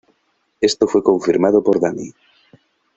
Esto fue confirmado por Dani.